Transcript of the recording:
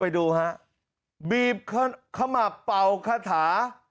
ไปดูฮะบีบเข้ามาเป่าคาถา